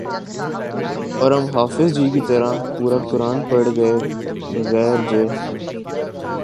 اور ہم حافظ جی کی طرح پورا قرآن پڑھ گئے بغیر سمجھے